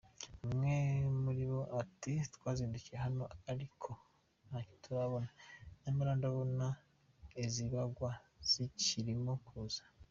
Umwe muri bo ati "Twazindukiye hano ariko ntacyo turabona, nyamara ndabona izibagwa zikirimo kuza".